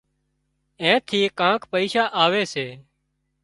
اين ٿي ڪانڪ پئيشا آوي سي